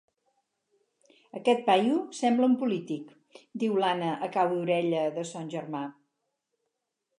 Aquest paio sembla un polític —diu l'Anna a cau d'orella de son germà.